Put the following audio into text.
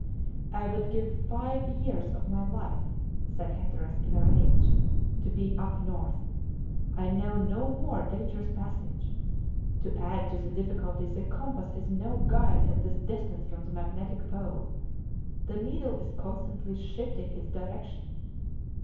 "I would give five years of my life," said Hatteras, in a rage, "to be up north. I know no more dangerous passage. To add to the difficulty, the compass is no guide at this distance from the magnetic pole: the needle is constantly shifting its direction."